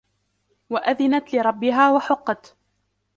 وَأَذِنَتْ لِرَبِّهَا وَحُقَّتْ